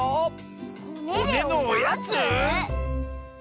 ほねのおやつ？